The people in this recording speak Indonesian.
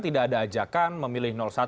tidak ada ajakan memilih satu